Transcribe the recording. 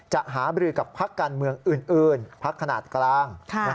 จะหาบริกับภักดิ์การเมืองอื่นภักดิ์ขนาดกลาง